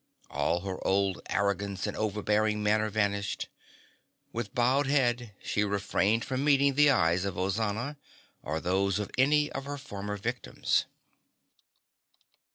All her old arrogance and overbearing manner vanished. With bowed head, she refrained from meeting the eyes of Ozana or those of any of her former victims.